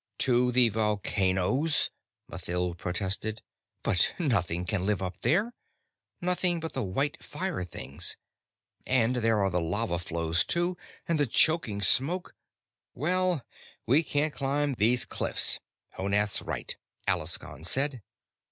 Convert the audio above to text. "To the volcanoes!" Mathild protested. "But nothing can live up there, nothing but the white fire things. And there are the lava flows, too, and the choking smoke " "Well, we can't climb these cliffs. Honath's quite right," Alaskon said.